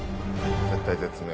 絶体絶命。